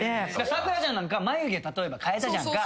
咲楽ちゃんなんか眉毛例えば変えたじゃんか。